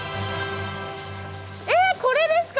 えっこれですか？